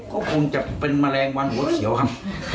ก็คงจะเป็นแมลงวันหัวเขียวครับ